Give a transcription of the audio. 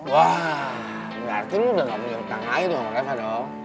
wah gak artinya lo udah gak punya tangan gitu sama reva dong